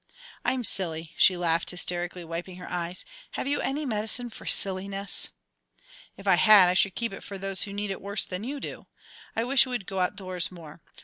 "I'm silly," she laughed hysterically, wiping her eyes. "Have you any medicine for silliness?" "If I had, I should keep it for those who need it worse than you do. I wish you would go outdoors more.